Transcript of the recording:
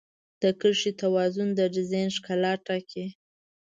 د کرښې توازن د ډیزاین ښکلا ټاکي.